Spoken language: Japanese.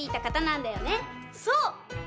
そう！